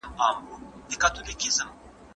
څنګه ځايي بڼوال خالص زعفران پاکستان ته لیږدوي؟